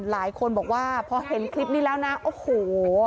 หลายคนบอกว่าพอเห็นคลิปนี้แล้วนะโอ้โห